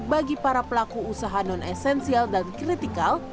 bagi para pelaku usaha non esensial dan kritikal